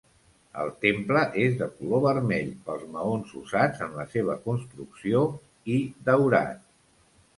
El temple és de color vermell pels maons usats en la seva construcció, i daurat.